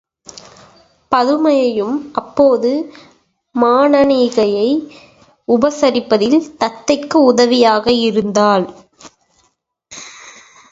பதுமையும் அப்போது மானனீகையை உபசரிப்பதில் தத்தைக்கு உதவியாக இருந்தாள்.